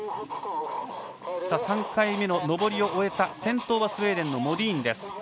３回目の上りを終えた先頭のスウェーデンのモディーン。